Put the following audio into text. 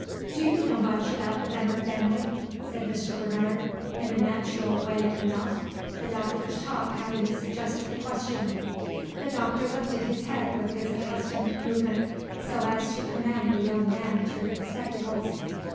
"Do you know much about the Veneer family?" said Mr. Bernard, in a natural way enough, the Doctor's talk having suggested the question. The Doctor lifted his head with his accustomed movement, so as to command the young man through his spectacles.